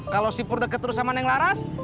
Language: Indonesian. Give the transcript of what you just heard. kalau si pur deket terus sama neng laras